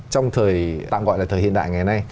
trong thời tạm gọi là thời hiện đại ngày nay